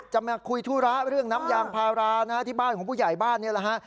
มาคุยธุระเรื่องน้ำยางพารานะฮะที่บ้านของผู้ใหญ่บ้านนี่แหละฮะ